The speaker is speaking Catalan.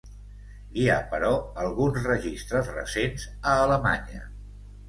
Hi ha però alguns registres recents a Alemanya.